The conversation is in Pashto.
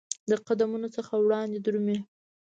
د قدمونو څخه وړاندي درومې